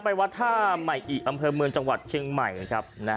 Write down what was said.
ไปวัฒนาหมายอีกบังเวิร์นจังหวัดเชียงใหม่นะครับ